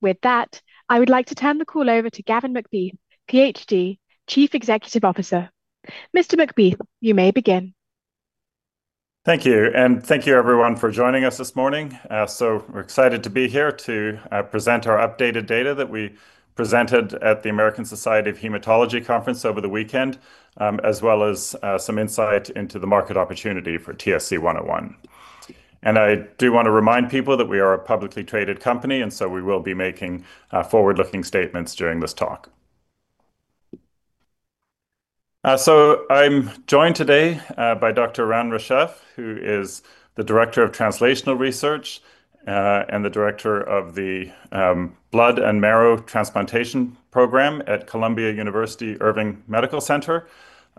With that, I would like to turn the call over to Gavin MacBeath, PhD, Chief Executive Officer. Mr. MacBeath, you may begin. Thank you, and thank you, everyone, for joining us this morning. We're excited to be here to present our updated data that we presented at the American Society of Hematology conference over the weekend, as well as some insight into the market opportunity for TSC-101. I do want to remind people that we are a publicly traded company, and so we will be making forward-looking statements during this talk. I'm joined today by Dr. Ran Reshef, who is the Director of Translational Research and the Director of the Blood and Marrow Transplantation Program at Columbia University Irving Medical Center.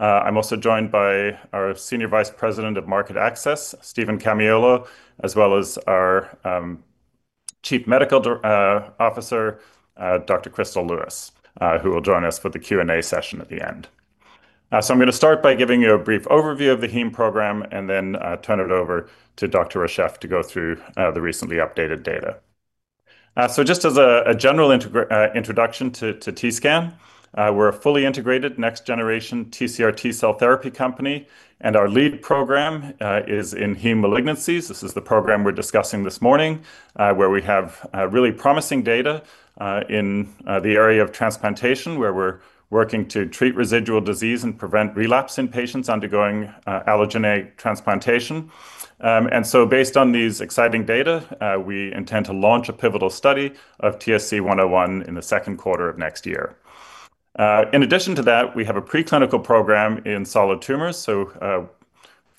I'm also joined by our Senior Vice President of Market Access, Stephen Camiolo, as well as our Chief Medical Officer, Dr. Chrystal Louis, who will join us for the Q&A session at the end. I'm going to start by giving you a brief overview of the heme program and then turn it over to Dr. Ran Reshef to go through the recently updated data. Just as a general introduction to TScan, we're a fully integrated next-generation TCR-T cell therapy company, and our lead program is in heme malignancies. This is the program we're discussing this morning, where we have really promising data in the area of transplantation, where we're working to treat residual disease and prevent relapse in patients undergoing allogeneic transplantation. Based on these exciting data, we intend to launch a pivotal study of TSC-101 in the second quarter of next year. In addition to that, we have a preclinical program in solid tumors.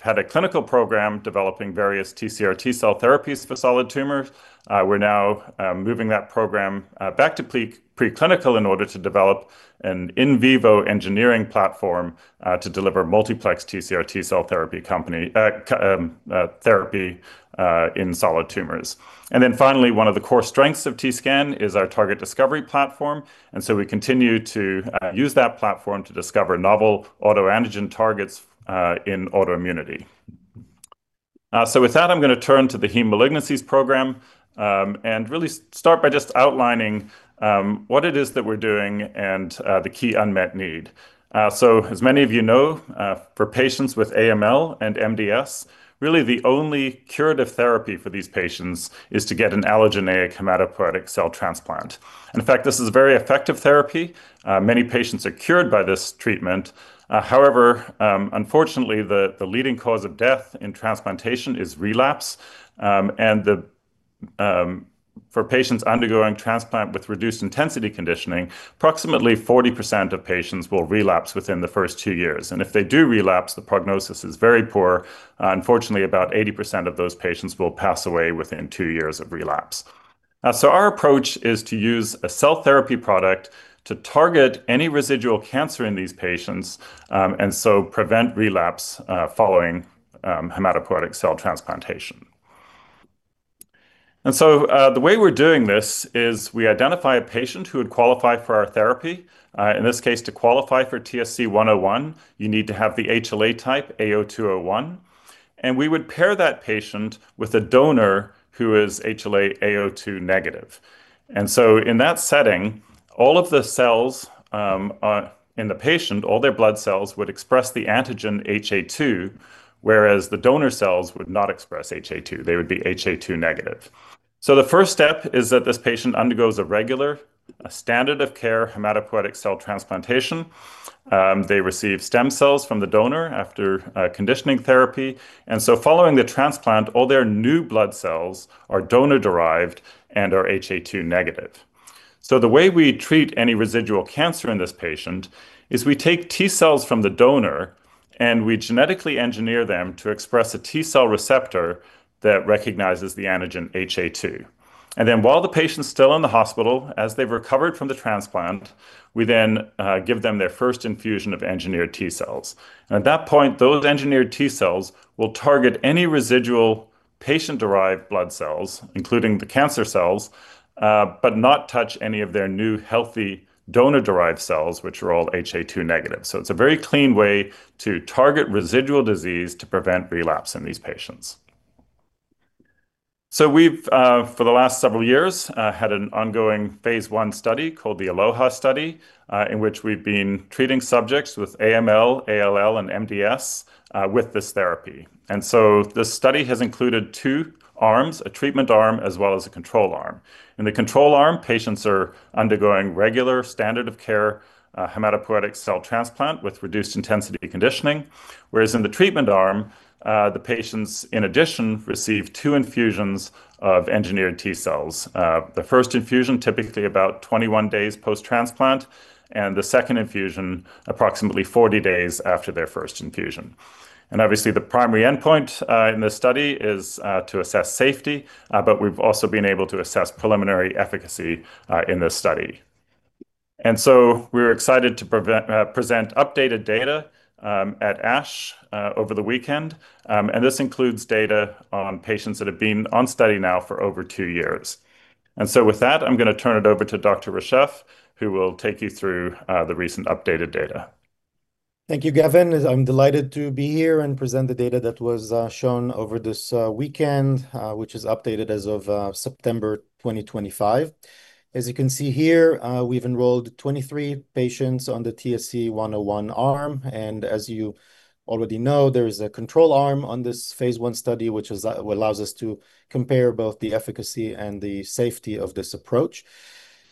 We've had a clinical program developing various TCR-T cell therapies for solid tumors. We're now moving that program back to preclinical in order to develop an in vivo engineering platform to deliver multiplex TCR-T cell therapy in solid tumors. And then finally, one of the core strengths of TScan is our target discovery platform. And so we continue to use that platform to discover novel autoantigen targets in autoimmunity. So with that, I'm going to turn to the heme malignancies program and really start by just outlining what it is that we're doing and the key unmet need. So as many of you know, for patients with AML and MDS, really the only curative therapy for these patients is to get an allogeneic hematopoietic cell transplant. In fact, this is a very effective therapy. Many patients are cured by this treatment. However, unfortunately, the leading cause of death in transplantation is relapse. For patients undergoing transplant with reduced intensity conditioning, approximately 40% of patients will relapse within the first two years. If they do relapse, the prognosis is very poor. Unfortunately, about 80% of those patients will pass away within two years of relapse. Our approach is to use a cell therapy product to target any residual cancer in these patients and so prevent relapse following hematopoietic cell transplantation. The way we're doing this is we identify a patient who would qualify for our therapy. In this case, to qualify for TSC-101, you need to have the HLA type A*02:01. We would pair that patient with a donor who is HLA A02 negative. In that setting, all of the cells in the patient, all their blood cells would express the antigen HA-2, whereas the donor cells would not express HA-2. They would be HA-2 negative. The first step is that this patient undergoes a regular, standard of care hematopoietic cell transplantation. They receive stem cells from the donor after conditioning therapy. Following the transplant, all their new blood cells are donor-derived and are HA-2 negative. The way we treat any residual cancer in this patient is we take T cells from the donor and we genetically engineer them to express a T cell receptor that recognizes the antigen HA-2. Then while the patient's still in the hospital, as they've recovered from the transplant, we then give them their first infusion of engineered T cells. At that point, those engineered T cells will target any residual patient-derived blood cells, including the cancer cells, but not touch any of their new healthy donor-derived cells, which are all HA-2 negative. It's a very clean way to target residual disease to prevent relapse in these patients. We've, for the last several years, had an ongoing phase I study called the ALLOHA study, in which we've been treating subjects with AML, ALL, and MDS with this therapy. This study has included two arms, a treatment arm as well as a control arm. In the control arm, patients are undergoing regular standard of care hematopoietic cell transplant with reduced intensity conditioning, whereas in the treatment arm, the patients, in addition, receive two infusions of engineered T cells. The first infusion, typically about 21 days post-transplant, and the second infusion, approximately 40 days after their first infusion. Obviously, the primary endpoint in this study is to assess safety, but we've also been able to assess preliminary efficacy in this study. And so we're excited to present updated data at ASH over the weekend. And this includes data on patients that have been on study now for over two years. And so with that, I'm going to turn it over to Dr. Reshef, who will take you through the recent updated data. Thank you, Gavin. I'm delighted to be here and present the data that was shown over this weekend, which is updated as of September 2025. As you can see here, we've enrolled 23 patients on the TSC-101 arm, and as you already know, there is a control arm on this phase I study, which allows us to compare both the efficacy and the safety of this approach.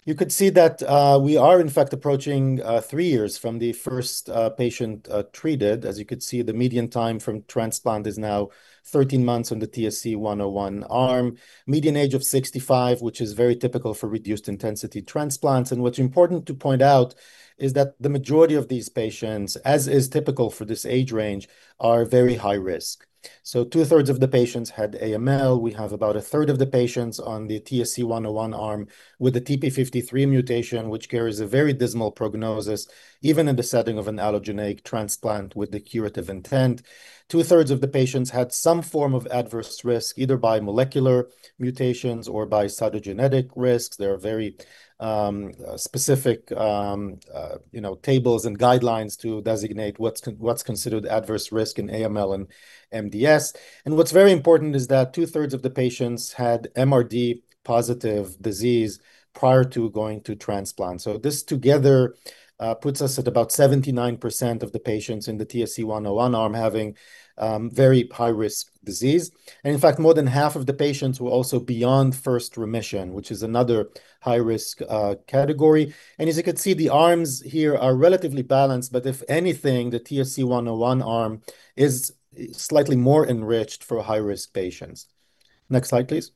You could see that we are, in fact, approaching three years from the first patient treated. As you could see, the median time from transplant is now 13 months on the TSC-101 arm, median age of 65, which is very typical for reduced intensity transplants. And what's important to point out is that the majority of these patients, as is typical for this age range, are very high risk, so two-thirds of the patients had AML. We have about a third of the patients on the TSC-101 arm with a TP53 mutation, which carries a very dismal prognosis, even in the setting of an allogeneic transplant with the curative intent. Two-thirds of the patients had some form of adverse risk, either by molecular mutations or by cytogenetic risks. There are very specific tables and guidelines to designate what's considered adverse risk in AML and MDS. And what's very important is that two-thirds of the patients had MRD positive disease prior to going to transplant. So this together puts us at about 79% of the patients in the TSC-101 arm having very high-risk disease. And in fact, more than half of the patients were also beyond first remission, which is another high-risk category. As you could see, the arms here are relatively balanced, but if anything, the TSC-101 arm is slightly more enriched for high-risk patients. Next slide, please.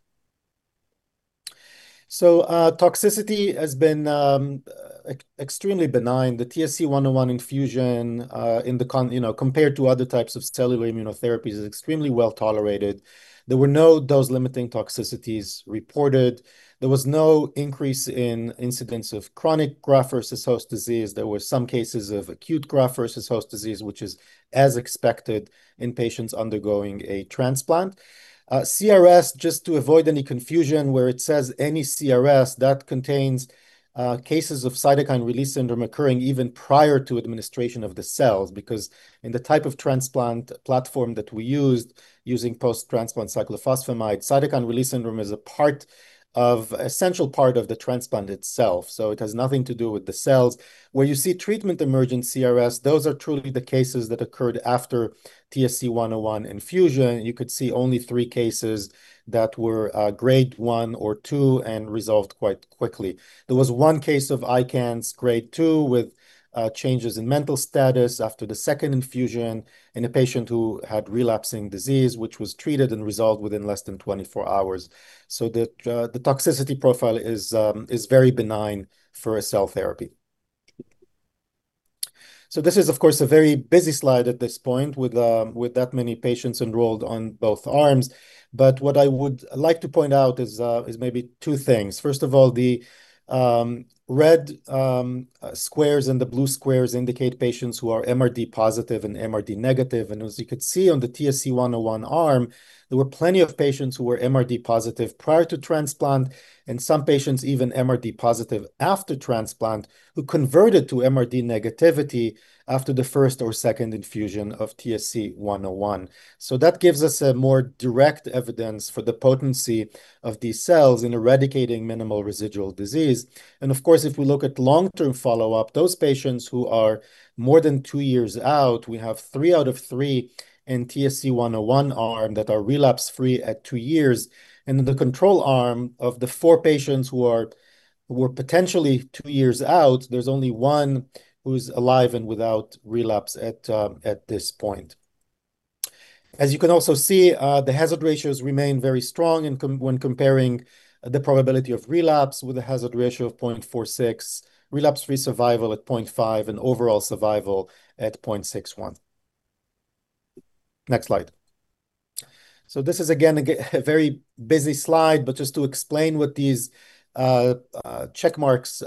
Toxicity has been extremely benign. The TSC-101 infusion, compared to other types of cellular immunotherapies, is extremely well tolerated. There were no dose-limiting toxicities reported. There was no increase in incidence of chronic graft-versus-host disease. There were some cases of acute graft-versus-host disease, which is as expected in patients undergoing a transplant. CRS, just to avoid any confusion where it says any CRS, that contains cases of cytokine release syndrome occurring even prior to administration of the cells, because in the type of transplant platform that we used, using post-transplant cyclophosphamide, cytokine release syndrome is an essential part of the transplant itself. It has nothing to do with the cells. Where you see treatment-emergent CRS, those are truly the cases that occurred after TSC-101 infusion. You could see only three cases that were grade one or two and resolved quite quickly. There was one case of ICANS grade two with changes in mental status after the second infusion in a patient who had relapsing disease, which was treated and resolved within less than 24 hours. So the toxicity profile is very benign for a cell therapy. So this is, of course, a very busy slide at this point with that many patients enrolled on both arms. But what I would like to point out is maybe two things. First of all, the red squares and the blue squares indicate patients who are MRD positive and MRD negative. And as you could see on the TSC-101 arm, there were plenty of patients who were MRD positive prior to transplant and some patients even MRD positive after transplant who converted to MRD negativity after the first or second infusion of TSC-101. So that gives us more direct evidence for the potency of these cells in eradicating minimal residual disease. And of course, if we look at long-term follow-up, those patients who are more than two years out, we have three out of three in TSC-101 arm that are relapse-free at two years. And in the control arm of the four patients who are potentially two years out, there's only one who's alive and without relapse at this point. As you can also see, the hazard ratios remain very strong when comparing the probability of relapse with a hazard ratio of 0.46, relapse-free survival at 0.5, and overall survival at 0.61. Next slide. So this is, again, a very busy slide, but just to explain what these checkmarks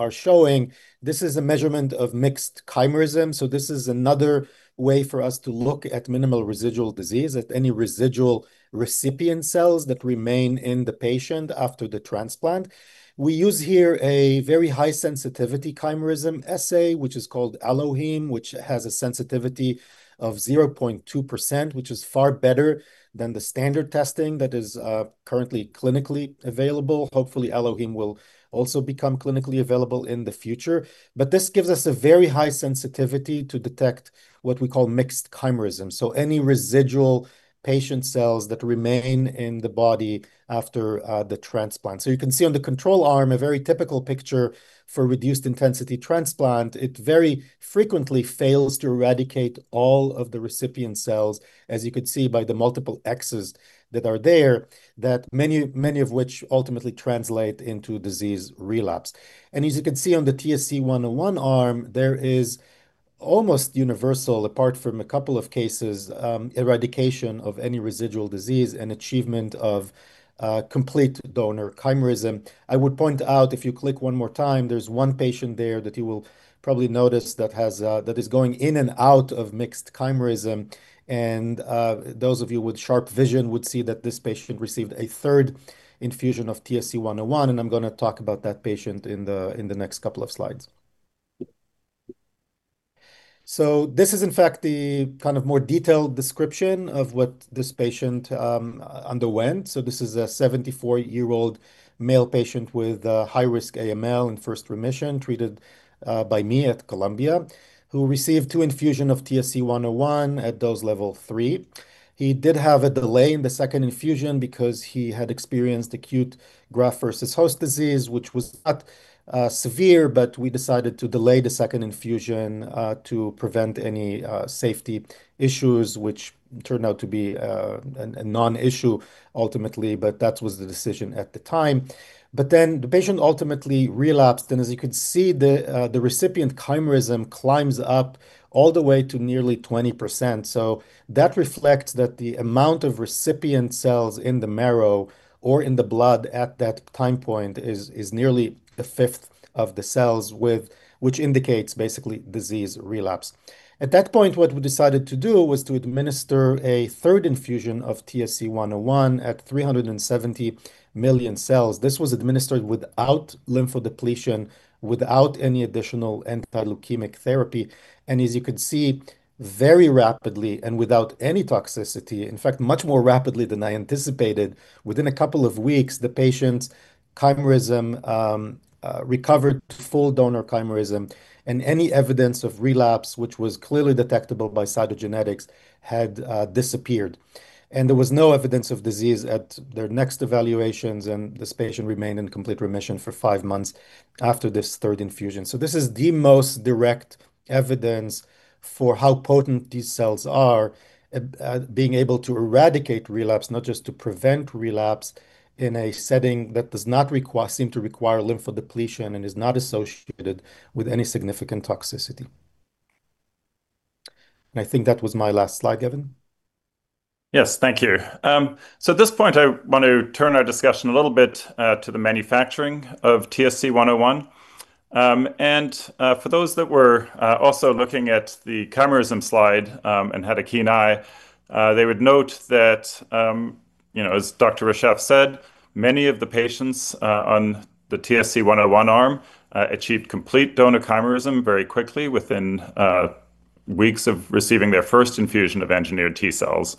are showing, this is a measurement of mixed chimerism. So this is another way for us to look at minimal residual disease, at any residual recipient cells that remain in the patient after the transplant. We use here a very high-sensitivity chimerism assay, which is called AlloHeme, which has a sensitivity of 0.2%, which is far better than the standard testing that is currently clinically available. Hopefully, AlloHeme will also become clinically available in the future. But this gives us a very high sensitivity to detect what we call mixed chimerism, so any residual patient cells that remain in the body after the transplant. So you can see on the control arm a very typical picture for reduced intensity transplant. It very frequently fails to eradicate all of the recipient cells, as you could see by the multiple Xs that are there, many of which ultimately translate into disease relapse. And as you can see on the TSC-101 arm, there is almost universal, apart from a couple of cases, eradication of any residual disease and achievement of complete donor chimerism. I would point out, if you click one more time, there's one patient there that you will probably notice that is going in and out of mixed chimerism. Those of you with sharp vision would see that this patient received a third infusion of TSC-101. I'm going to talk about that patient in the next couple of slides. This is, in fact, the kind of more detailed description of what this patient underwent. This is a 74-year-old male patient with high-risk AML in first remission, treated by me at Columbia, who received two infusions of TSC-101 at dose level three. He did have a delay in the second infusion because he had experienced acute graft versus host disease, which was not severe, but we decided to delay the second infusion to prevent any safety issues, which turned out to be a non-issue ultimately, but that was the decision at the time. Then the patient ultimately relapsed. As you could see, the recipient chimerism climbs up all the way to nearly 20%. That reflects that the amount of recipient cells in the marrow or in the blood at that time point is nearly a fifth of the cells, which indicates basically disease relapse. At that point, what we decided to do was to administer a third infusion of TSC-101 at 370 million cells. This was administered without lymphodepletion, without any additional anti-leukemic therapy. As you could see, very rapidly and without any toxicity, in fact, much more rapidly than I anticipated, within a couple of weeks, the patient's chimerism recovered to full donor chimerism, and any evidence of relapse, which was clearly detectable by cytogenetics, had disappeared. There was no evidence of disease at their next evaluations, and this patient remained in complete remission for five months after this third infusion. So this is the most direct evidence for how potent these cells are, being able to eradicate relapse, not just to prevent relapse in a setting that does not seem to require lymphodepletion and is not associated with any significant toxicity, and I think that was my last slide, Gavin. Yes, thank you. So at this point, I want to turn our discussion a little bit to the manufacturing of TSC-101. And for those that were also looking at the chimerism slide and had a keen eye, they would note that, as Dr. Reshef said, many of the patients on the TSC-101 arm achieved complete donor chimerism very quickly within weeks of receiving their first infusion of engineered T cells.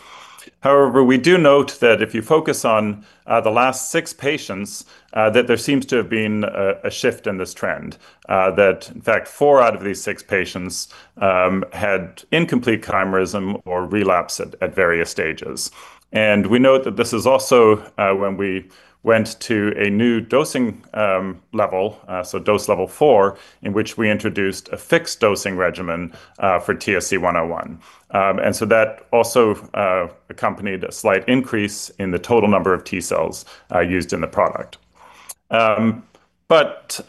However, we do note that if you focus on the last six patients, that there seems to have been a shift in this trend, that in fact, four out of these six patients had incomplete chimerism or relapse at various stages. And we note that this is also when we went to a new dosing level, so dose level four, in which we introduced a fixed dosing regimen for TSC-101. And so that also accompanied a slight increase in the total number of T cells used in the product. But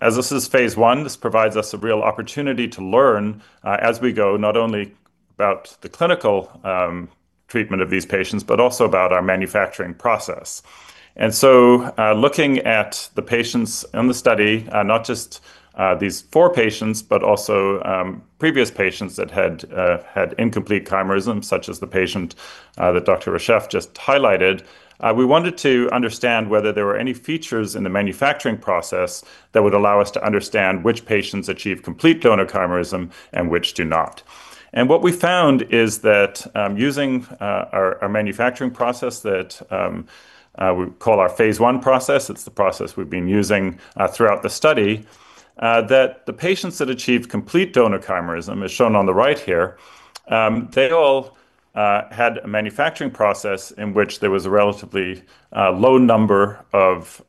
as this is phase I, this provides us a real opportunity to learn as we go, not only about the clinical treatment of these patients, but also about our manufacturing process. And so looking at the patients in the study, not just these four patients, but also previous patients that had incomplete chimerism, such as the patient that Dr. Reshef just highlighted, we wanted to understand whether there were any features in the manufacturing process that would allow us to understand which patients achieve complete donor chimerism and which do not. What we found is that using our manufacturing process that we call our phase I process, it's the process we've been using throughout the study, that the patients that achieve complete donor chimerism, as shown on the right here, they all had a manufacturing process in which there was a relatively low number of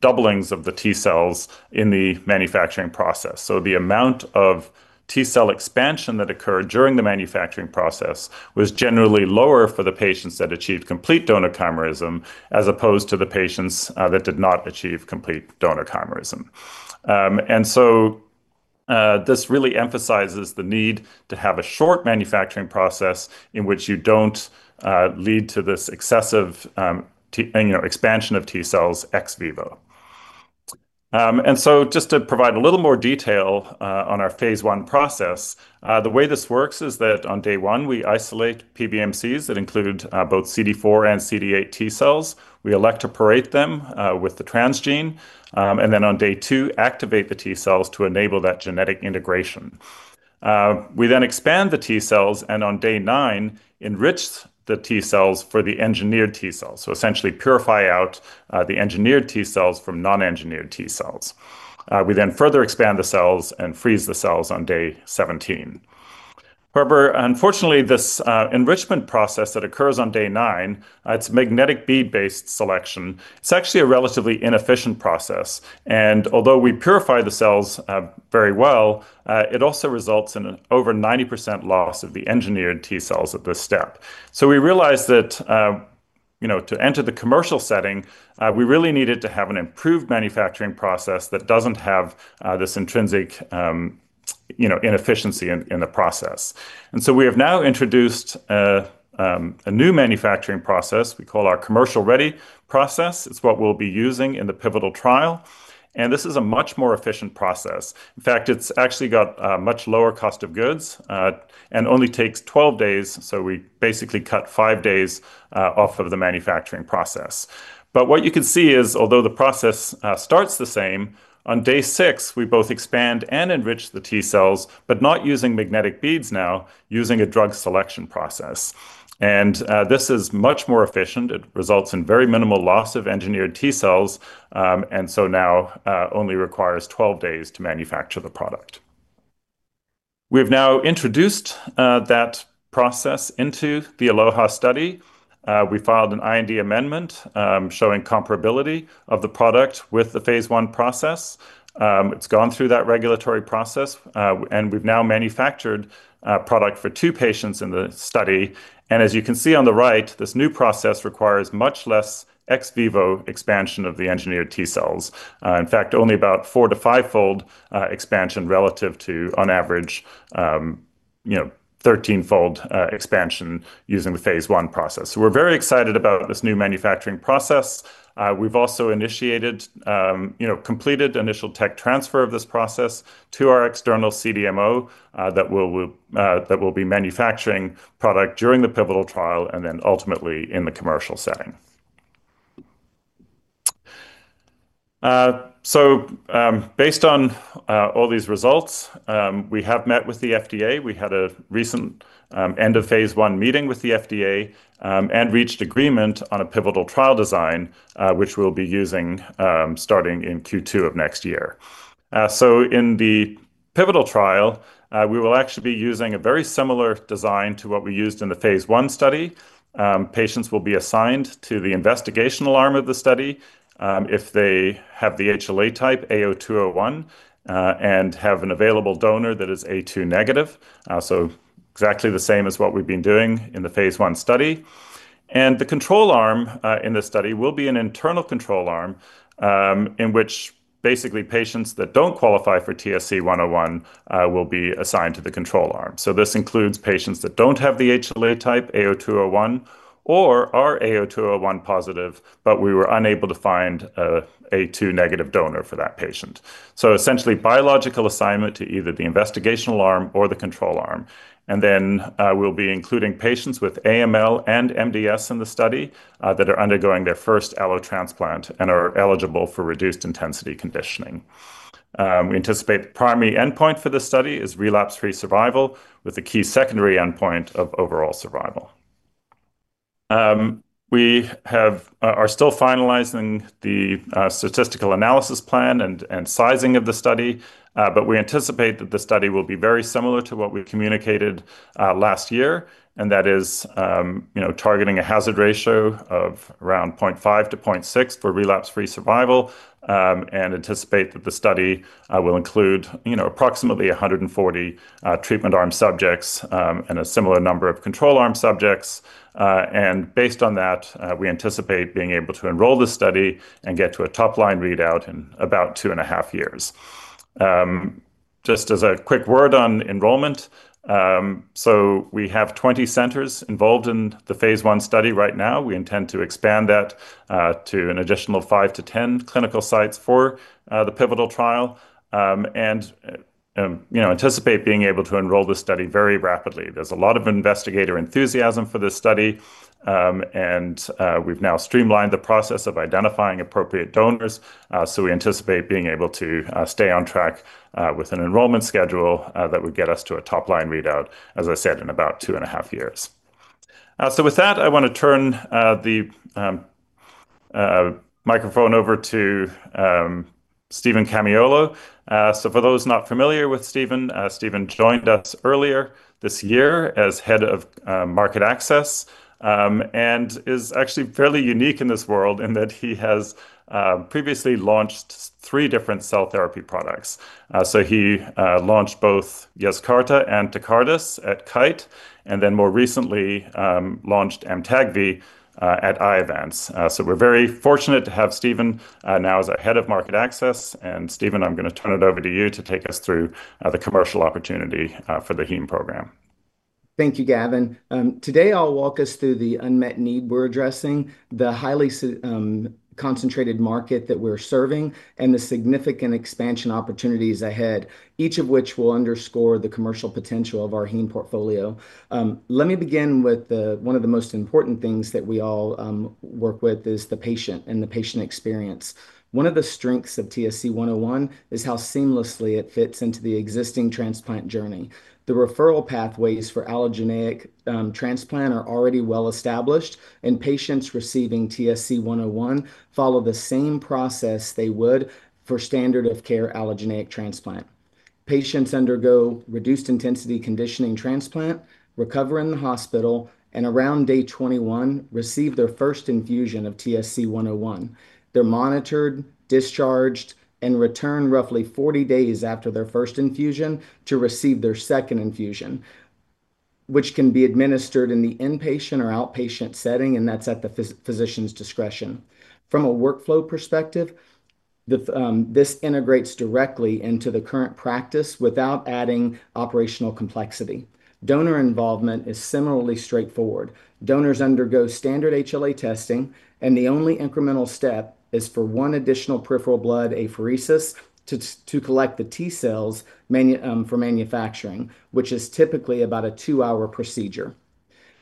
doublings of the T cells in the manufacturing process. The amount of T cell expansion that occurred during the manufacturing process was generally lower for the patients that achieved complete donor chimerism as opposed to the patients that did not achieve complete donor chimerism. This really emphasizes the need to have a short manufacturing process in which you don't lead to this excessive expansion of T cells ex vivo. Just to provide a little more detail on our phase I process, the way this works is that on day one, we isolate PBMCs that include both CD4 and CD8 T cells. We electroporate them with the transgene. And then on day two, activate the T cells to enable that genetic integration. We then expand the T cells, and on day nine, enrich the T cells for the engineered T cells, so essentially purify out the engineered T cells from non-engineered T cells. We then further expand the cells and freeze the cells on day 17. However, unfortunately, this enrichment process that occurs on day nine, it's magnetic bead-based selection. It's actually a relatively inefficient process. And although we purify the cells very well, it also results in an over 90% loss of the engineered T cells at this step. So we realized that to enter the commercial setting, we really needed to have an improved manufacturing process that doesn't have this intrinsic inefficiency in the process. And so we have now introduced a new manufacturing process we call our commercial-ready process. It's what we'll be using in the pivotal trial. And this is a much more efficient process. In fact, it's actually got a much lower cost of goods and only takes 12 days. So we basically cut five days off of the manufacturing process. But what you can see is, although the process starts the same, on day six, we both expand and enrich the T cells, but not using magnetic beads now, using a drug selection process. And this is much more efficient. It results in very minimal loss of engineered T cells, and so now only requires 12 days to manufacture the product. We have now introduced that process into the ALLOHA study. We filed an IND amendment showing comparability of the product with the phase I process. It's gone through that regulatory process, and we've now manufactured product for two patients in the study. As you can see on the right, this new process requires much less ex vivo expansion of the engineered T cells, in fact, only about four to five-fold expansion relative to, on average, 13-fold expansion using the phase I process. We're very excited about this new manufacturing process. We've also initiated and completed initial tech transfer of this process to our external CDMO that will be manufacturing product during the pivotal trial and then ultimately in the commercial setting. Based on all these results, we have met with the FDA. We had a recent end of phase I meeting with the FDA and reached agreement on a pivotal trial design, which we'll be using starting in Q2 of next year. So in the pivotal trial, we will actually be using a very similar design to what we used in the phase one study. Patients will be assigned to the investigational arm of the study if they have the HLA type A*02:01 and have an available donor that is A2 negative, so exactly the same as what we've been doing in the phase I study. And the control arm in this study will be an internal control arm in which basically patients that don't qualify for TSC-101 will be assigned to the control arm. This includes patients that don't have the HLA type A*02:01 or are A*02:01 positive, but we were unable to find an A2 negative donor for that patient. Essentially, biological assignment to either the investigational arm or the control arm. We'll be including patients with AML and MDS in the study that are undergoing their first allotransplant and are eligible for reduced intensity conditioning. We anticipate the primary endpoint for the study is relapse-free survival with a key secondary endpoint of overall survival. We are still finalizing the statistical analysis plan and sizing of the study, but we anticipate that the study will be very similar to what we communicated last year, and that is targeting a hazard ratio of around 0.5 - 0.6 for relapse-free survival and anticipate that the study will include approximately 140 treatment arm subjects and a similar number of control arm subjects. Based on that, we anticipate being able to enroll the study and get to a top-line readout in about two and a half years. Just as a quick word on enrollment, so we have 20 centers involved in the phase I study right now. We intend to expand that to an additional 5-10 clinical sites for the pivotal trial and anticipate being able to enroll the study very rapidly. There's a lot of investigator enthusiasm for this study, and we've now streamlined the process of identifying appropriate donors. We anticipate being able to stay on track with an enrollment schedule that would get us to a top-line readout, as I said, in about two and a half years. With that, I want to turn the microphone over to Stephen Camiolo. So for those not familiar with Stephen, Stephen joined us earlier this year as head of market access and is actually fairly unique in this world in that he has previously launched three different cell therapy products. So he launched both Yescarta and Tecartus at Kite, and then more recently launched Amtagvi at Iovance. So we're very fortunate to have Stephen now as head of market access. And Stephen, I'm going to turn it over to you to take us through the commercial opportunity for the heme program. Thank you, Gavin. Today, I'll walk us through the unmet need we're addressing, the highly concentrated market that we're serving, and the significant expansion opportunities ahead, each of which will underscore the commercial potential of our heme portfolio. Let me begin with one of the most important things that we all work with is the patient and the patient experience. One of the strengths of TSC-101 is how seamlessly it fits into the existing transplant journey. The referral pathways for allogeneic transplant are already well established, and patients receiving TSC-101 follow the same process they would for standard of care allogeneic transplant. Patients undergo reduced intensity conditioning transplant, recover in the hospital, and around day 21 receive their first infusion of TSC-101. They're monitored, discharged, and return roughly 40 days after their first infusion to receive their second infusion, which can be administered in the inpatient or outpatient setting, and that's at the physician's discretion. From a workflow perspective, this integrates directly into the current practice without adding operational complexity. Donor involvement is similarly straightforward. Donors undergo standard HLA testing, and the only incremental step is for one additional peripheral blood apheresis to collect the T cells for manufacturing, which is typically about a two-hour procedure.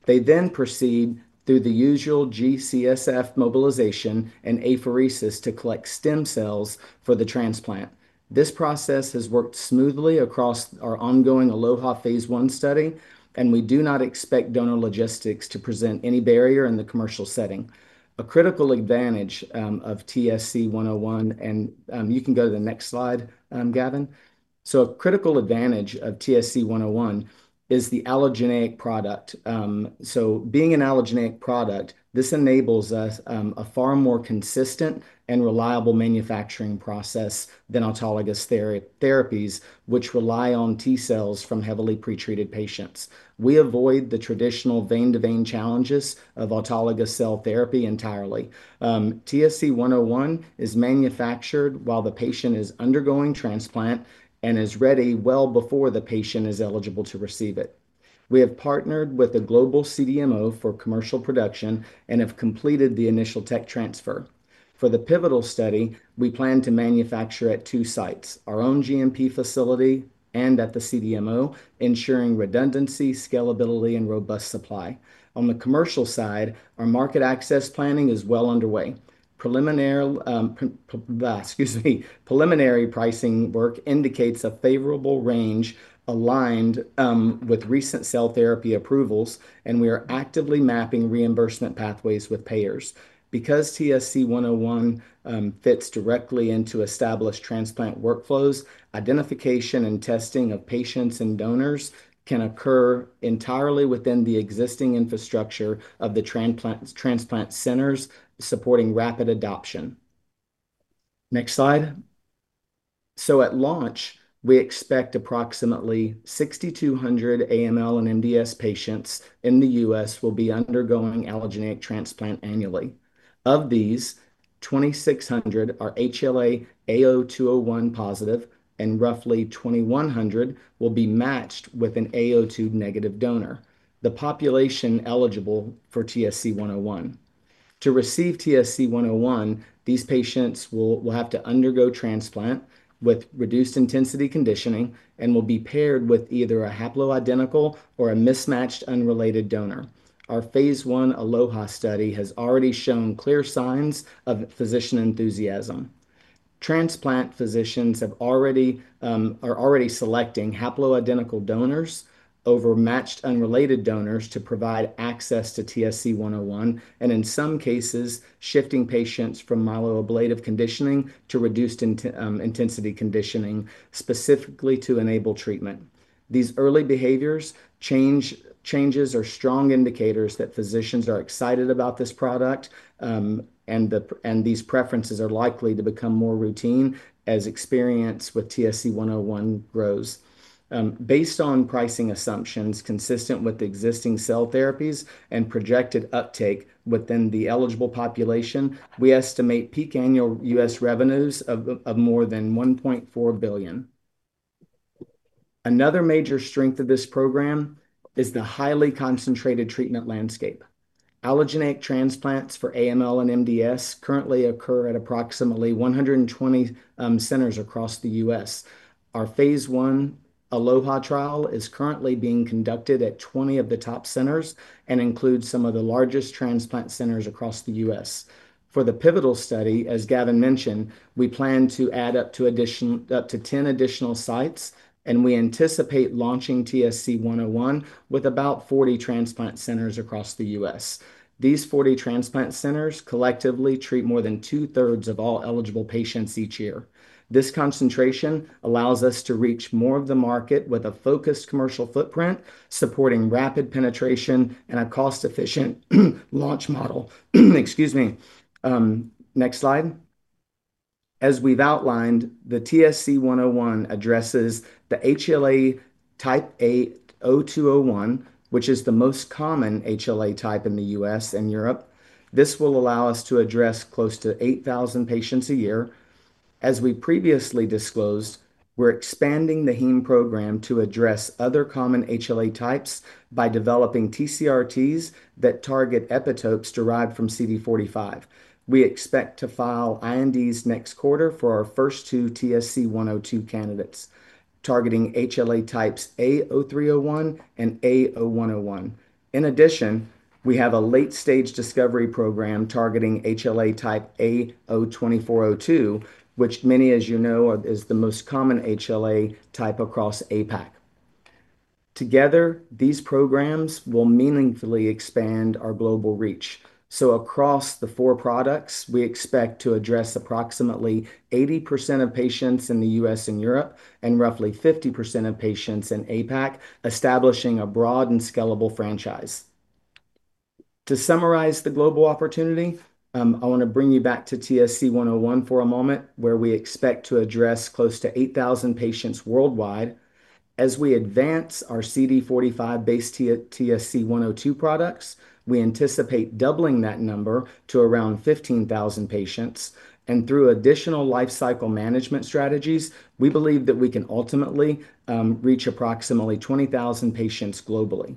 They then proceed through the usual G-CSF mobilization and apheresis to collect stem cells for the transplant. This process has worked smoothly across our ongoing ALLOHA phase I study, and we do not expect donor logistics to present any barrier in the commercial setting. A critical advantage of TSC-101, and you can go to the next slide, Gavin. A critical advantage of TSC-101 is the allogeneic product. Being an allogeneic product, this enables us a far more consistent and reliable manufacturing process than autologous therapies, which rely on T cells from heavily pretreated patients. We avoid the traditional vein-to-vein challenges of autologous cell therapy entirely. TSC-101 is manufactured while the patient is undergoing transplant and is ready well before the patient is eligible to receive it. We have partnered with a global CDMO for commercial production and have completed the initial tech transfer. For the pivotal study, we plan to manufacture at two sites, our own GMP facility and at the CDMO, ensuring redundancy, scalability, and robust supply. On the commercial side, our market access planning is well underway. Excuse me, preliminary pricing work indicates a favorable range aligned with recent cell therapy approvals, and we are actively mapping reimbursement pathways with payers. Because TSC-101 fits directly into established transplant workflows, identification and testing of patients and donors can occur entirely within the existing infrastructure of the transplant centers, supporting rapid adoption. Next slide. So at launch, we expect approximately 6,200 AML and MDS patients in the U.S. will be undergoing allogeneic transplant annually. Of these, 2,600 are HLA-A*02:01 positive, and roughly 2,100 will be matched with an A02 negative donor, the population eligible for TSC-101. To receive TSC-101, these patients will have to undergo transplant with reduced intensity conditioning and will be paired with either a haploidentical or a mismatched unrelated donor. Our phase I ALLOHA study has already shown clear signs of physician enthusiasm. Transplant physicians are already selecting haploidentical donors over matched unrelated donors to provide access to TSC-101, and in some cases, shifting patients from myeloablative conditioning to reduced intensity conditioning specifically to enable treatment. These early behavior changes are strong indicators that physicians are excited about this product, and these preferences are likely to become more routine as experience with TSC-101 grows. Based on pricing assumptions consistent with existing cell therapies and projected uptake within the eligible population, we estimate peak annual U.S. revenues of more than $1.4 billion. Another major strength of this program is the highly concentrated treatment landscape. Allogeneic transplants for AML and MDS currently occur at approximately 120 centers across the U.S. Our phase I ALLOHA trial is currently being conducted at 20 of the top centers and includes some of the largest transplant centers across the U.S. For the pivotal study, as Gavin mentioned, we plan to add up to 10 additional sites, and we anticipate launching TSC-101 with about 40 transplant centers across the U.S. These 40 transplant centers collectively treat more than two-thirds of all eligible patients each year. This concentration allows us to reach more of the market with a focused commercial footprint, supporting rapid penetration and a cost-efficient launch model. Excuse me. Next slide. As we've outlined, the TSC-101 addresses the HLA type A*02:01, which is the most common HLA type in the U.S. and Europe. This will allow us to address close to 8,000 patients a year. As we previously disclosed, we're expanding the heme program to address other common HLA types by developing TCR-Ts that target epitopes derived from CD45. We expect to file INDs next quarter for our first two TSC-102 candidates, targeting HLA-A*03:01 and HLA-A*01:01. In addition, we have a late-stage discovery program targeting HLA-A*24:02, which many, as you know, is the most common HLA type across APAC. Together, these programs will meaningfully expand our global reach. So across the four products, we expect to address approximately 80% of patients in the U.S. and Europe and roughly 50% of patients in APAC, establishing a broad and scalable franchise. To summarize the global opportunity, I want to bring you back to TSC-101 for a moment where we expect to address close to 8,000 patients worldwide. As we advance our CD45-based TSC-102 products, we anticipate doubling that number to around 15,000 patients. And through additional lifecycle management strategies, we believe that we can ultimately reach approximately 20,000 patients globally.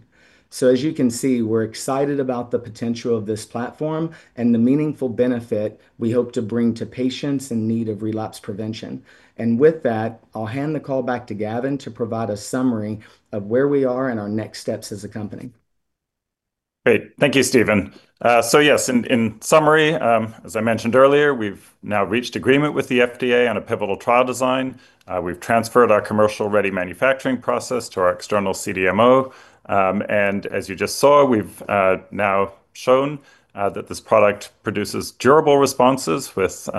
As you can see, we're excited about the potential of this platform and the meaningful benefit we hope to bring to patients in need of relapse prevention. With that, I'll hand the call back to Gavin to provide a summary of where we are and our next steps as a company. Great. Thank you, Stephen. So yes, in summary, as I mentioned earlier, we've now reached agreement with the FDA on a pivotal trial design. We've transferred our commercial-ready manufacturing process to our external CDMO. And as you just saw, we've now shown that this product produces durable responses with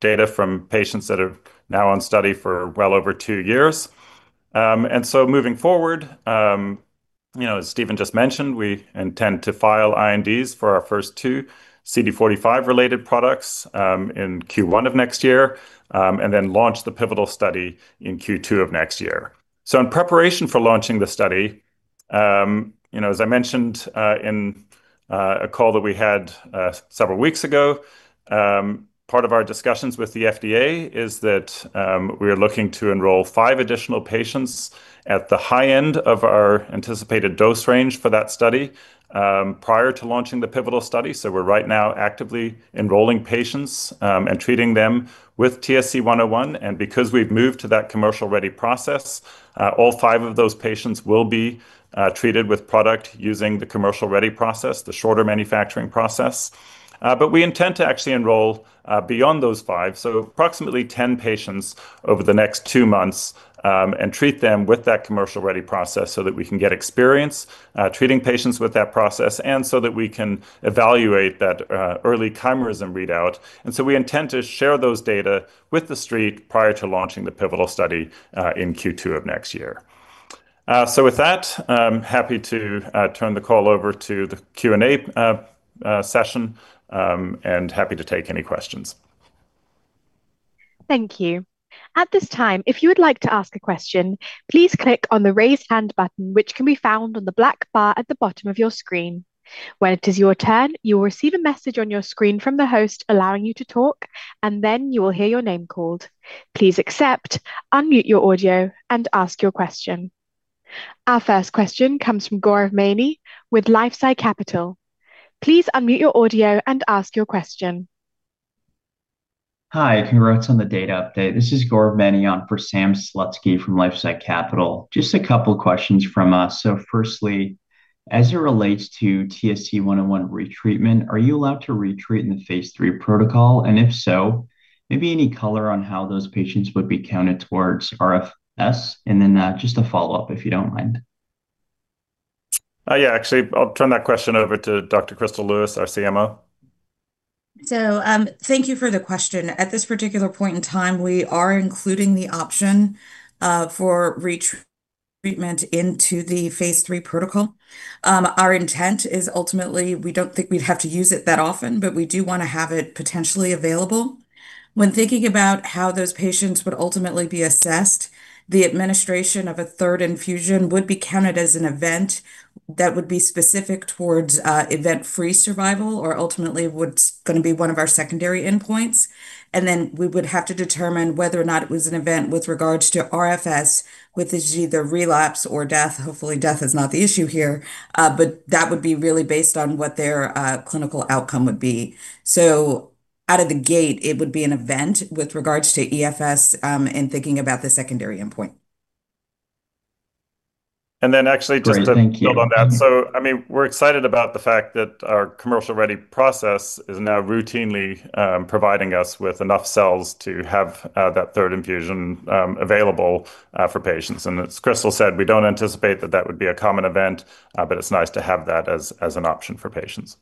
data from patients that are now on study for well over two years. And so moving forward, as Stephen just mentioned, we intend to file INDs for our first two CD45-related products in Q1 of next year and then launch the pivotal study in Q2 of next year. In preparation for launching the study, as I mentioned in a call that we had several weeks ago, part of our discussions with the FDA is that we are looking to enroll five additional patients at the high end of our anticipated dose range for that study prior to launching the pivotal study. So we're right now actively enrolling patients and treating them with TSC-101. And because we've moved to that commercial-ready process, all five of those patients will be treated with product using the commercial-ready process, the shorter manufacturing process. But we intend to actually enroll beyond those five, so approximately 10 patients over the next two months and treat them with that commercial-ready process so that we can get experience treating patients with that process and so that we can evaluate that early chimerism readout. And so we intend to share those data with the street prior to launching the pivotal study in Q2 of next year. So with that, happy to turn the call over to the Q&A session and happy to take any questions. Thank you. At this time, if you would like to ask a question, please click on the raise hand button, which can be found on the black bar at the bottom of your screen. When it is your turn, you will receive a message on your screen from the host allowing you to talk, and then you will hear your name called. Please accept, unmute your audio, and ask your question. Our first question comes from Gaurav Maini with LifeSci Capital. Please unmute your audio and ask your question. Hi, congrats on the data update. This is Gaurav Maini on for Sam Slutsky from LifeSci Capital. Just a couple of questions from us. So firstly, as it relates to TSC-101 retreatment, are you allowed to retreat in the phase III protocol? And if so, maybe any color on how those patients would be counted towards RFS? And then just a follow-up, if you don't mind. Yeah, actually, I'll turn that question over to Dr. Chrystal Louis, our CMO. So thank you for the question. At this particular point in time, we are including the option for retreatment into the phase III protocol. Our intent is ultimately, we don't think we'd have to use it that often, but we do want to have it potentially available. When thinking about how those patients would ultimately be assessed, the administration of a third infusion would be counted as an event that would be specific towards event-free survival or ultimately what's going to be one of our secondary endpoints. And then we would have to determine whether or not it was an event with regards to RFS with either relapse or death. Hopefully, death is not the issue here, but that would be really based on what their clinical outcome would be. So out of the gate, it would be an event with regards to EFS in thinking about the secondary endpoint. Actually, just to build on that, so I mean, we're excited about the fact that our commercial-ready process is now routinely providing us with enough cells to have that third infusion available for patients. As Chrystal said, we don't anticipate that that would be a common event, but it's nice to have that as an option for patients.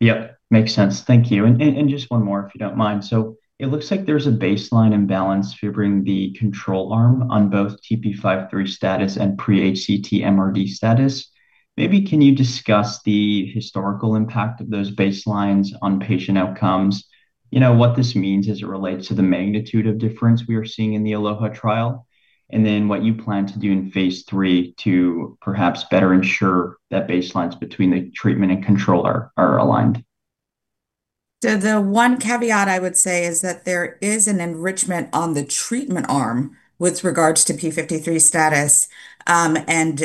Yep, makes sense. Thank you. And just one more, if you don't mind. So it looks like there's a baseline imbalance favoring the control arm on both TP53 status and pre-HCT MRD status. Maybe can you discuss the historical impact of those baselines on patient outcomes, what this means as it relates to the magnitude of difference we are seeing in the ALLOHA trial, and then what you plan to do in phase III to perhaps better ensure that baselines between the treatment and control are aligned? The one caveat I would say is that there is an enrichment on the treatment arm with regards to TP53 status and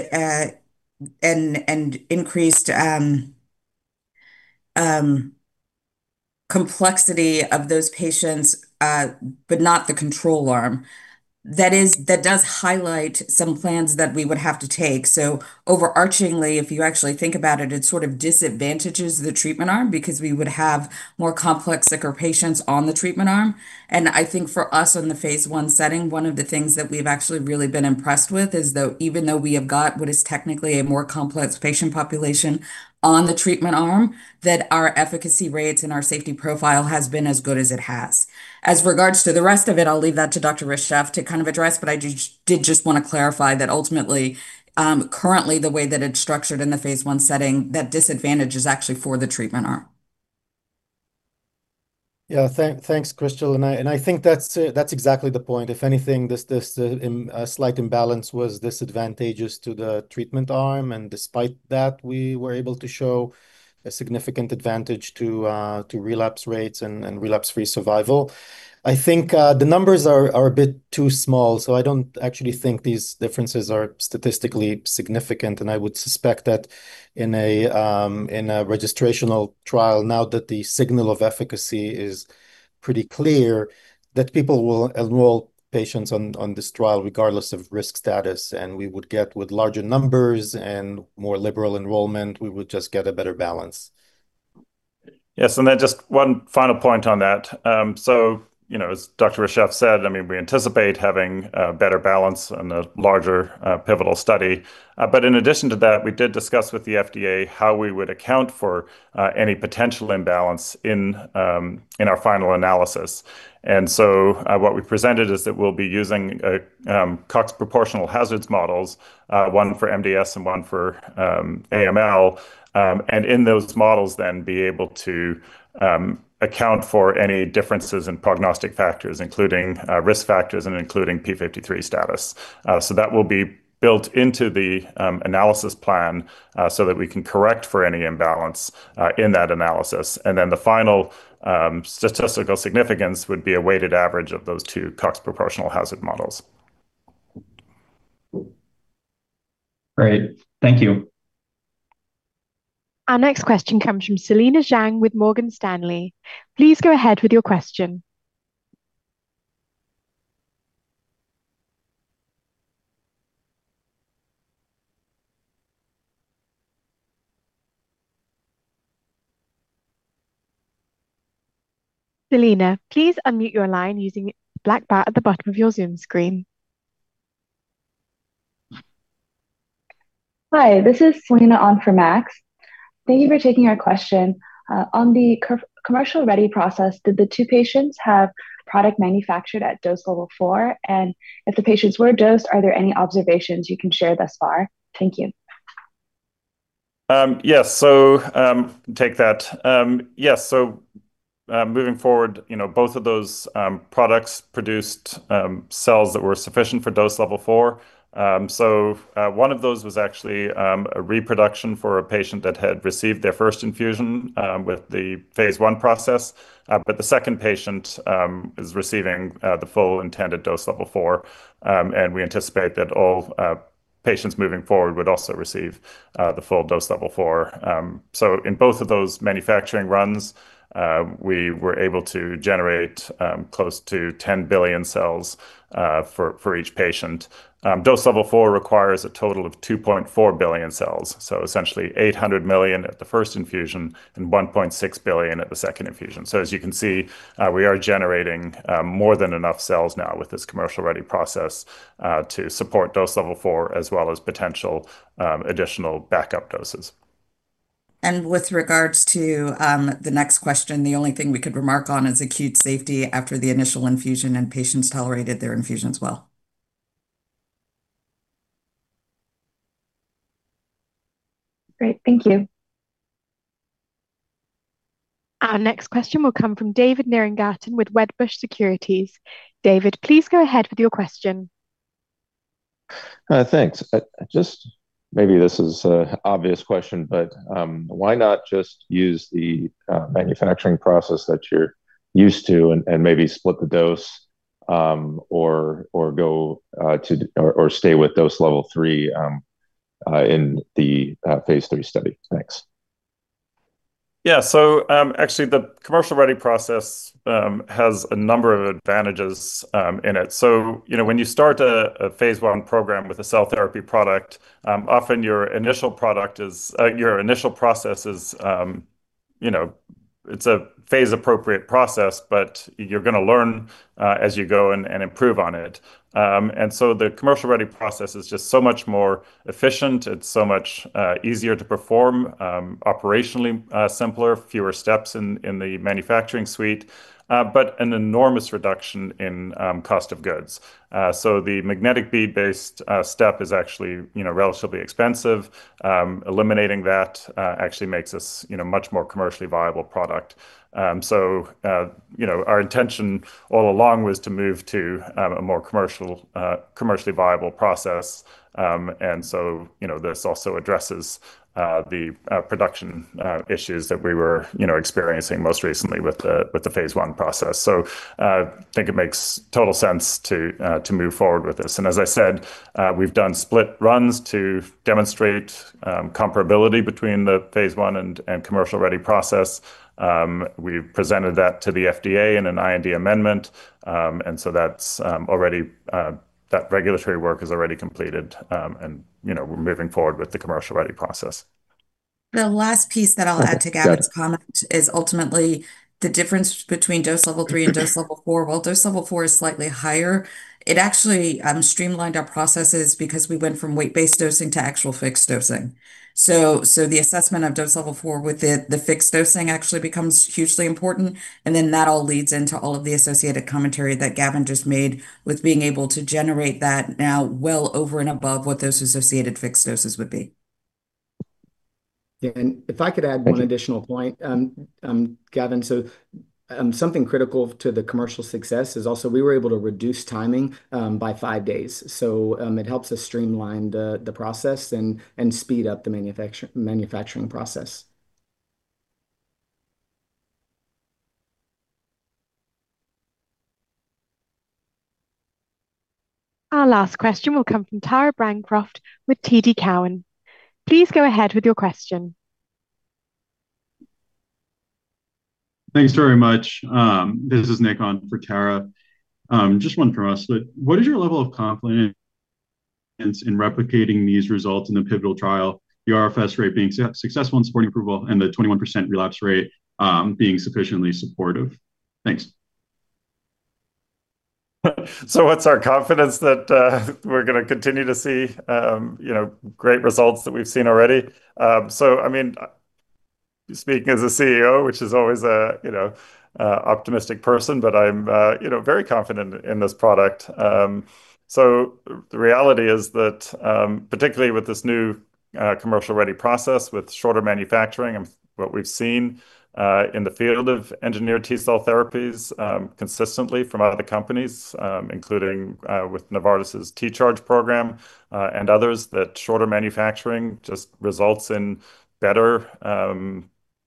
increased complexity of those patients, but not the control arm. That does highlight some plans that we would have to take. Overarchingly, if you actually think about it, it sort of disadvantages the treatment arm because we would have more complex sicker patients on the treatment arm. I think for us in the phase I setting, one of the things that we've actually really been impressed with is that even though we have got what is technically a more complex patient population on the treatment arm, that our efficacy rates and our safety profile has been as good as it has. As regards to the rest of it, I'll leave that to Dr. Reshef to kind of address, but I did just want to clarify that ultimately, currently, the way that it's structured in the phase one setting, that disadvantage is actually for the treatment arm. Yeah, thanks, Chrystal. And I think that's exactly the point. If anything, this slight imbalance was disadvantageous to the treatment arm. And despite that, we were able to show a significant advantage to relapse rates and relapse-free survival. I think the numbers are a bit too small, so I don't actually think these differences are statistically significant. And I would suspect that in a registrational trial, now that the signal of efficacy is pretty clear, that people will enroll patients on this trial regardless of risk status. And we would get with larger numbers and more liberal enrollment, we would just get a better balance. Yes. And then just one final point on that. So as Dr. Reshef said, I mean, we anticipate having a better balance and a larger pivotal study. But in addition to that, we did discuss with the FDA how we would account for any potential imbalance in our final analysis. And so what we presented is that we'll be using Cox proportional hazards models, one for MDS and one for AML, and in those models, then be able to account for any differences in prognostic factors, including risk factors and including TP53 status. So that will be built into the analysis plan so that we can correct for any imbalance in that analysis. And then the final statistical significance would be a weighted average of those two Cox proportional hazard models. Great. Thank you. Our next question comes from Selena Zhang with Morgan Stanley. Please go ahead with your question. Selena, please unmute your line using the black bar at the bottom of your Zoom screen. Hi, this is Selena on for Max. Thank you for taking our question. On the commercial-ready process, did the two patients have product manufactured at dose level four? And if the patients were dosed, are there any observations you can share thus far? Thank you. Yes. So take that. Yes. So moving forward, both of those products produced cells that were sufficient for dose level four. So one of those was actually a reproduction for a patient that had received their first infusion with the phase I process. But the second patient is receiving the full intended dose level four. And we anticipate that all patients moving forward would also receive the full dose level four. So in both of those manufacturing runs, we were able to generate close to 10 billion cells for each patient. Dose level four requires a total of 2.4 billion cells. So essentially 800 million at the first infusion and 1.6 billion at the second infusion. So as you can see, we are generating more than enough cells now with this commercial-ready process to support dose level four as well as potential additional backup doses. With regards to the next question, the only thing we could remark on is acute safety after the initial infusion and patients tolerated their infusions well. Great. Thank you. Our next question will come from David Nierengarten with Wedbush Securities. David, please go ahead with your question. Thanks. Just maybe this is an obvious question, but why not just use the manufacturing process that you're used to and maybe split the dose or stay with dose level three in the phase III study? Thanks. Yeah. So actually, the commercial-ready process has a number of advantages in it. So when you start a phase I program with a cell therapy product, often your initial process is a phase-appropriate process, but you're going to learn as you go and improve on it. And so the commercial-ready process is just so much more efficient. It's so much easier to perform, operationally simpler, fewer steps in the manufacturing suite, but an enormous reduction in cost of goods. So the magnetic bead-based step is actually relatively expensive. Eliminating that actually makes us a much more commercially viable product. So our intention all along was to move to a more commercially viable process. And so this also addresses the production issues that we were experiencing most recently with the phase I process. So I think it makes total sense to move forward with this. As I said, we've done split runs to demonstrate comparability between the phase I and commercial-ready process. We've presented that to the FDA in an IND amendment. So that regulatory work is already completed, and we're moving forward with the commercial-ready process. The last piece that I'll add to Gavin's comment is ultimately the difference between dose level three and dose level four. While dose level four is slightly higher, it actually streamlined our processes because we went from weight-based dosing to actual fixed dosing. So the assessment of dose level four with the fixed dosing actually becomes hugely important. And then that all leads into all of the associated commentary that Gavin just made with being able to generate that now well over and above what those associated fixed doses would be. And if I could add one additional point, Gavin, so something critical to the commercial success is also we were able to reduce timing by five days. So it helps us streamline the process and speed up the manufacturing process. Our last question will come from Tara Bancroft with TD Cowen. Please go ahead with your question. Thanks very much. This is Nick on for Tara. Just one from us. What is your level of confidence in replicating these results in the pivotal trial, the RFS rate being successful and supporting approval, and the 21% relapse rate being sufficiently supportive? Thanks. So, what's our confidence that we're going to continue to see great results that we've seen already? So, I mean, speaking as a CEO, which is always an optimistic person, but I'm very confident in this product. So, the reality is that particularly with this new commercial-ready process with shorter manufacturing and what we've seen in the field of engineered T-cell therapies consistently from other companies, including with Novartis's T-Charge program and others, that shorter manufacturing just results in better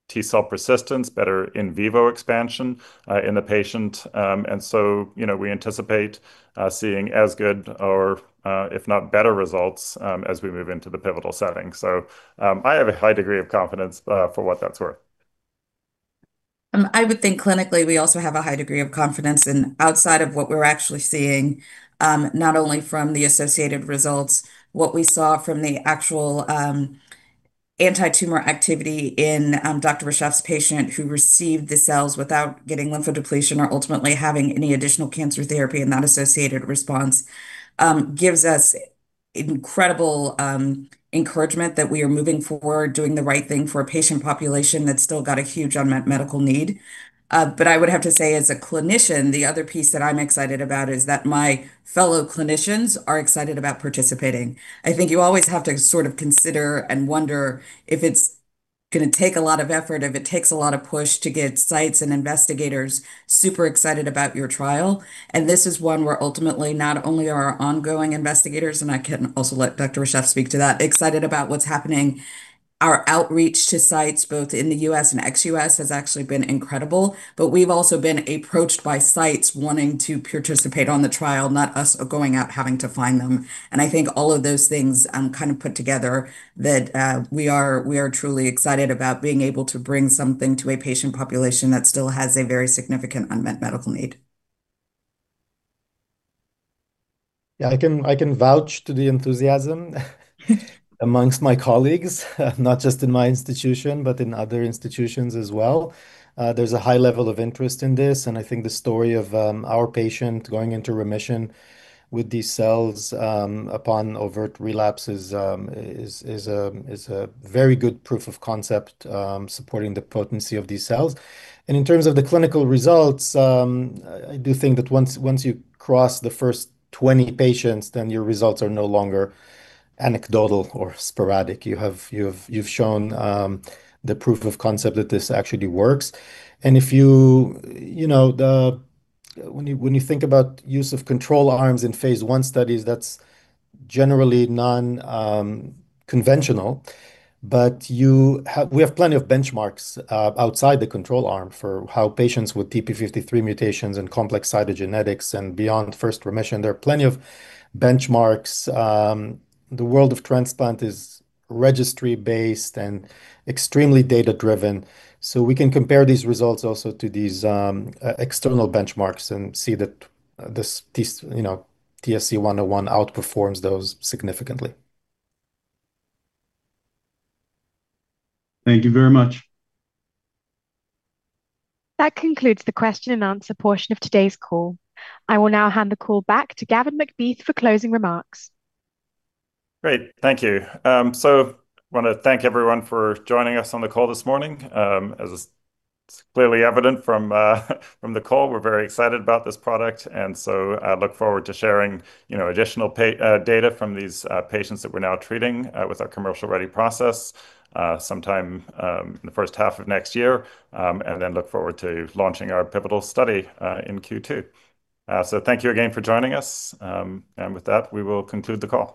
T-cell persistence, better in vivo expansion in the patient. And so we anticipate seeing as good or if not better results as we move into the pivotal setting. So, I have a high degree of confidence for what that's worth. I would think clinically we also have a high degree of confidence in outside of what we're actually seeing, not only from the associated results. What we saw from the actual anti-tumor activity in Dr. Reshef's patient who received the cells without getting lymphodepletion or ultimately having any additional cancer therapy and that associated response gives us incredible encouragement that we are moving forward doing the right thing for a patient population that's still got a huge unmet medical need. But I would have to say as a clinician, the other piece that I'm excited about is that my fellow clinicians are excited about participating. I think you always have to sort of consider and wonder if it's going to take a lot of effort, if it takes a lot of push to get sites and investigators super excited about your trial. This is one where ultimately not only are our ongoing investigators, and I can also let Dr. Reshef speak to that, excited about what's happening. Our outreach to sites both in the U.S. and ex-U.S. has actually been incredible. But we've also been approached by sites wanting to participate on the trial, not us going out having to find them. And I think all of those things kind of put together that we are truly excited about being able to bring something to a patient population that still has a very significant unmet medical need. Yeah, I can vouch for the enthusiasm among my colleagues, not just in my institution, but in other institutions as well. There's a high level of interest in this. And I think the story of our patient going into remission with these cells upon overt relapse is a very good proof of concept supporting the potency of these cells. And in terms of the clinical results, I do think that once you cross the first 20 patients, then your results are no longer anecdotal or sporadic. You've shown the proof of concept that this actually works. And when you think about use of control arms in phase one studies, that's generally non-conventional. But we have plenty of benchmarks outside the control arm for how patients with TP53 mutations and complex cytogenetics and beyond first remission. There are plenty of benchmarks. The world of transplant is registry-based and extremely data-driven. We can compare these results also to these external benchmarks and see that TSC-101 outperforms those significantly. Thank you very much. That concludes the question and answer portion of today's call. I will now hand the call back to Gavin MacBeath for closing remarks. Great. Thank you. So I want to thank everyone for joining us on the call this morning. As it's clearly evident from the call, we're very excited about this product. And so I look forward to sharing additional data from these patients that we're now treating with our commercial-ready process sometime in the first half of next year, and then look forward to launching our pivotal study in Q2. So thank you again for joining us. And with that, we will conclude the call.